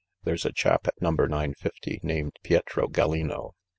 There's a chap at number 950 named Pietro Gallino.